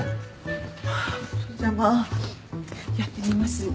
それじゃまあやってみます。